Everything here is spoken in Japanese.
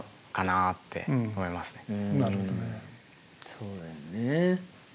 そうだよね。